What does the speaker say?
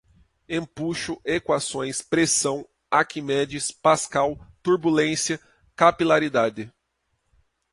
Empuxo, equações, pressão, Aquimedes, Pascal, turbulência, capilaridade